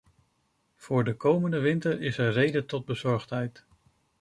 Voor de komende winter is er reden tot bezorgdheid.